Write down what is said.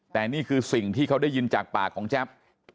แต่นี่คือสิ่งที่เขาได้ยินจากปากของแจ๊บ